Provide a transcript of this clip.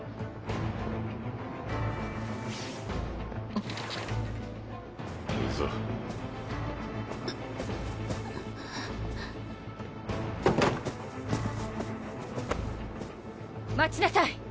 あっ行くぞう待ちなさい。